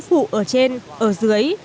phụ ở trên ở dưới